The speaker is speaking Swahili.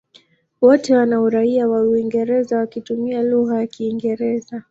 Wote wana uraia wa Uingereza wakitumia lugha ya Kiingereza.